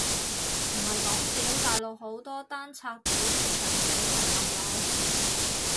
唔係講笑，大陸好多單拆主力牆死人冧樓？